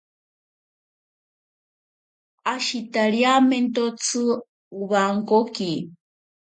Ashitariamentotsi owankoki.